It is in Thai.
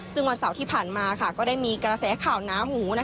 ซึ่งวันเสาร์ที่ผ่านมาก็ได้มีกระแสข่าวหนาหู